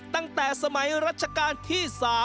ตั้งแต่สมัยรัชกาลที่๓